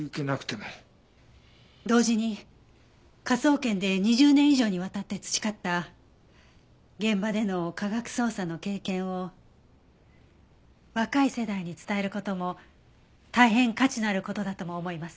同時に科捜研で２０年以上にわたって培った現場での科学捜査の経験を若い世代に伝える事も大変価値のある事だとも思います。